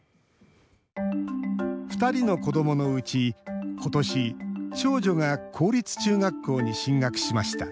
２人の子どものうちことし、長女が公立中学校に進学しました。